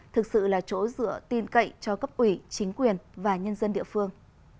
thực sự là chỗ dựa tin cậy cho cấp ủy chính quyền và nhân dân địa phương